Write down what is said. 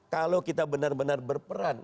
kalau kita benar benar berperan